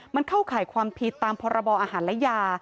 มันเข้าข่ายความผิดตามพรบอาหารและยา